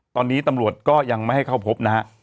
ตอนนี้ตำรวจก็ยังไม่ให้เข้าพบนะฮะ